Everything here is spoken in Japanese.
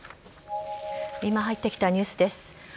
今入ってきたニュースです。